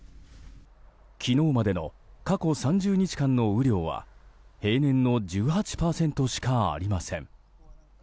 昨日までの過去３０日間の雨量は平年の１８％しかありません。